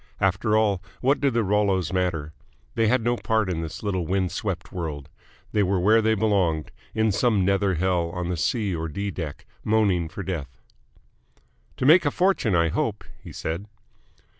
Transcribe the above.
After all, what did the Rollos matter? They had no part in this little wind swept world: they were where they belonged, in some nether hell on the C. or D. deck, moaning for death. "To make a fortune, I hope," he said.